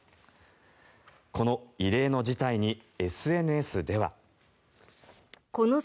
この異例の事態にＳＮＳでは。